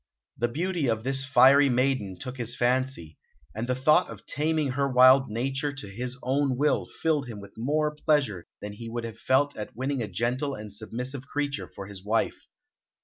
The beauty of this fiery maiden took his fancy, and the thought of taming her wild nature to his own will filled him with more pleasure than he would have felt at winning a gentle and submissive creature for his wife.